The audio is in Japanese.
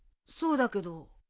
そうだけど。